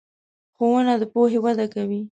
ښوونه د پوهې وده کوي.